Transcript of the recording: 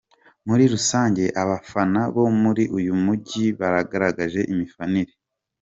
Muri rusange abafana bo muri uyu mujyi bagaragaje imifanire.